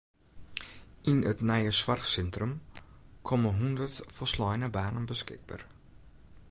Yn it nije soarchsintrum komme hûndert folsleine banen beskikber.